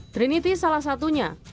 trinity salah satunya